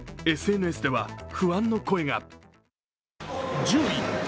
ＳＮＳでは不安の声が。